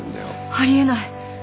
あり得ない。